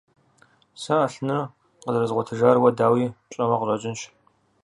Сэ Ӏэлъыныр къызэрызгъуэтыжар уэ, дауи, пщӀэуэ къыщӀэкӀынщ.